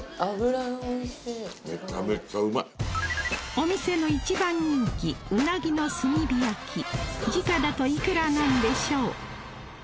お店の一番人気うなぎの炭火焼き時価だといくらなんでしょう？